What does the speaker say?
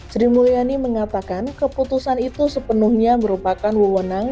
sri mulyani mengatakan keputusan itu sepenuhnya merupakan wewenang